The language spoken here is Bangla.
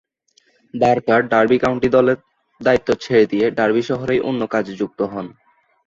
বার্কার ডার্বি কাউন্টি দলের দায়িত্ব ছেড়ে দিয়ে ডার্বি শহরেই অন্য কাজে যুক্ত হন।